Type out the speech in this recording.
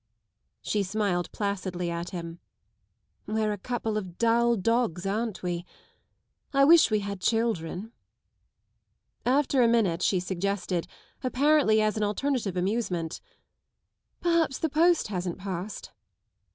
She smiled placidly at him. " We're a couple of dull dogs, aren't we ? I wish we had children." After a minute she suggested, apparently as an alternative amusement, Perhaps the post hasn't passed."